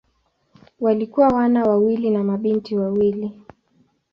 Walikuwa wana wawili na mabinti wawili.